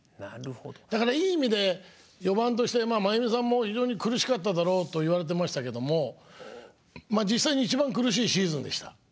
だからいい意味で４番として真弓さんも「非常に苦しかっただろう」と言われてましたけども実際に一番苦しいシーズンでした。